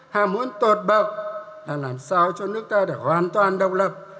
hàm muốn tột bậc là làm sao cho nước ta được hoàn toàn độc lập